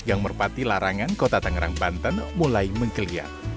yang merpati larangan kota tangerang banten mulai mengkelihat